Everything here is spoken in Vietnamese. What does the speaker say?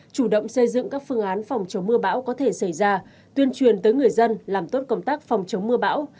chủ động xây dựng các phương án phòng chống mưa bão có thể xảy ra tuyên truyền tới người dân làm tốt công tác phòng chống mưa bão